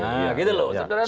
nah gitu loh